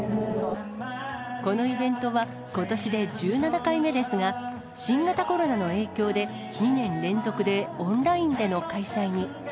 このイベントは、ことしで１７回目ですが、新型コロナの影響で、２年連続でオンラインでの開催に。